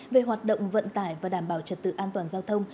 về hoạt động vận tải và đảm bảo trật tự an toàn giao thông